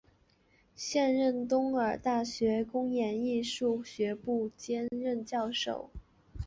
现任东首尔大学公演艺术学部兼任教授。